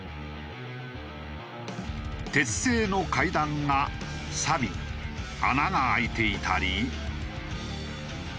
鉄製の階段がさび穴が開いていたり。